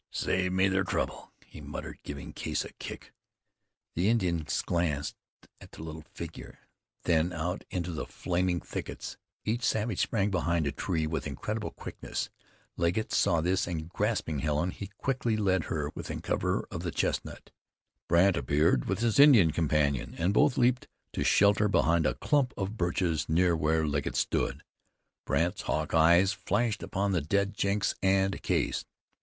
"Saved me ther trouble," he muttered, giving Case a kick. The Indians glanced at the little figure, then out into the flaming thickets. Each savage sprang behind a tree with incredible quickness. Legget saw this, and grasping Helen, he quickly led her within cover of the chestnut. Brandt appeared with his Indian companion, and both leaped to shelter behind a clump of birches near where Legget stood. Brandt's hawk eyes flashed upon the dead Jenks and Case.